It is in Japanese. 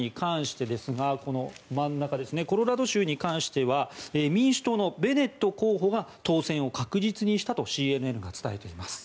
真ん中のコロラド州に関しては民主党のベネット候補が当選を確実にしたとＣＮＮが伝えています。